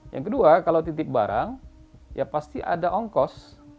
yang kedua kalau titip barang ya pasti ada ongkos